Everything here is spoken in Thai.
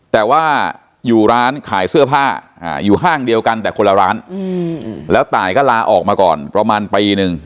แต่ว่าอยู่ร้านขายเสื้อผ้า